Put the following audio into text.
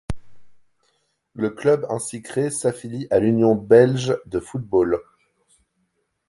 Le club ainsi créé s'affilie à l'Union Belge de football.